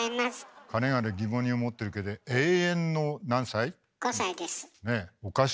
かねがね疑問に思ってるけど永遠の何歳？